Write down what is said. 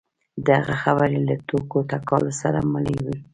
د هغه خبرې له ټوکو ټکالو سره ملې وې.